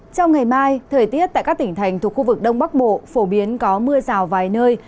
trong ngày mai thời tiết tại các tỉnh thành thuộc khu vực đông bắc bộ phổ biến có mưa rào vài nơi